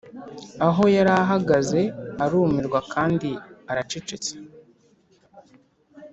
aho yari ahagaze arumirwa kandi aracecetse.